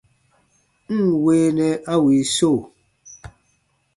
N ǹ weenɛ a wii so !